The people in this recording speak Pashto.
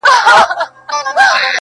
هغه د سلېمان لایق خبره